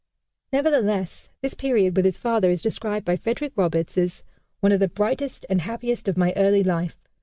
Nevertheless, this period with his father is described by Frederick Roberts as "one of the brightest and happiest of my early life."